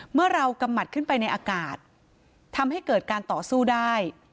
เมื่อเรากำหมัดขึ้นไปในอากาศทำให้เกิดการต่อสู้ได้